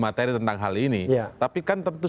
materi tentang hal ini tapi kan tentu